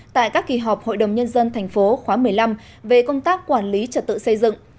tại các kỳ họp hội đồng nhân dân tp khóa một mươi năm về công tác quản lý trật tự xây dựng